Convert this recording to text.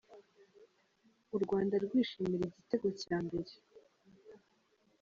U Rwanda rwishimira igitego cya mbere